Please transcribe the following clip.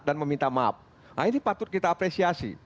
dan meminta maaf nah ini patut kita apresiasi